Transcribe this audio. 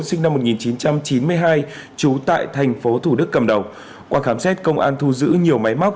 sinh năm một nghìn chín trăm chín mươi hai trú tại thành phố thủ đức cầm đầu qua khám xét công an thu giữ nhiều máy móc